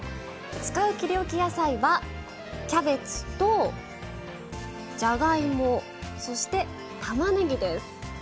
使う「切りおき野菜」はキャベツとじゃがいもそしてたまねぎです。